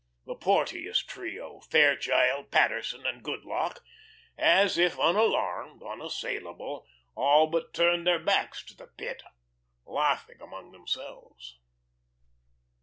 The Porteous trio Fairchild, Paterson, and Goodlock as if unalarmed, unassailable, all but turned their backs to the Pit, laughing among themselves.